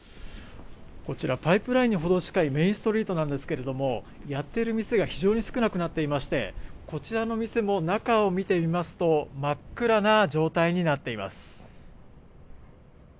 こちら、パイプラインに程近いメインストリートなんですけどもやっている店が非常に少なくなっていましてこちらの店も、中を見て見ますと真っ暗な状態になっています。